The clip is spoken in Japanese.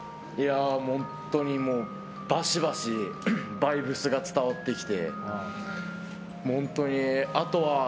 本当にバシバシバイブスが伝わってきて。